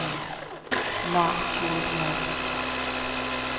NOT CURED YET.